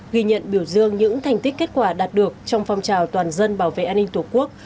ghi nhận biểu dương những thành tích kết quả đạt được trong phong trào toàn dân bảo vệ an ninh tổ quốc